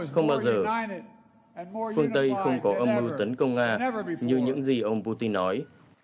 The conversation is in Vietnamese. không bao giờ phương tây không có âm mưu tấn công nga như những gì ông putin nói